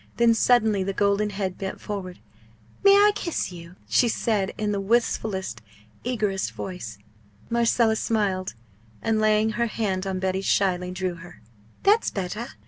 Then suddenly the golden head bent forward. "May I kiss you?" she said, in the wistfullest, eagerest voice. Marcella smiled, and, laying her hand on Betty's, shyly drew her. "That's better!"